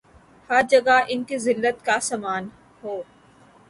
ہر جگہ ان کی زلت کا سامان ہو